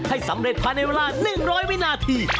ให้สำเร็จภายในเวลา๑๐๐วินาที